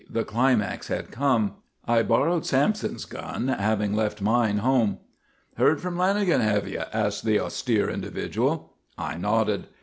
The climax had come. I borrowed Sampson's gun, having left mine home. "Heard from Lanagan, have you?" asked that austere individual. I nodded.